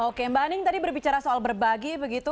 oke mbak ning tadi berbicara soal berbagi begitu